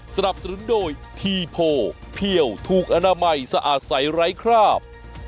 สนับสนุนโดยทีโพเพี่ยวถูกอนามัยสะอาดใสไร้คราบ